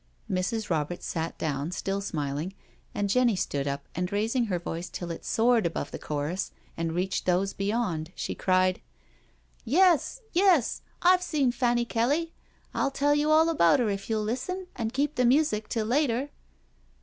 Mrs. Roberts sat down, still smiling, and Jenny stood up and raising her voice till it soared above the chorus and reached those beyond, she cried: "Yes, yes, I've seen Fanny Kelly — I'll tell you all about her if you'll listen and keep the music till later."